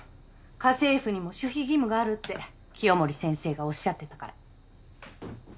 家政婦にも守秘義務があるって清守先生がおっしゃってたから。